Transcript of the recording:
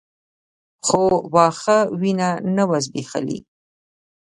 خو واښه وينه نه وه ځبېښلې.